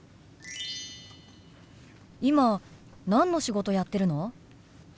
今何の仕事やってるの？